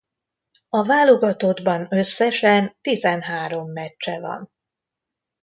A válogatottban összesen tizenhárom meccse van.